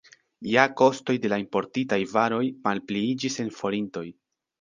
Ja kostoj de la importitaj varoj malpliiĝis en forintoj.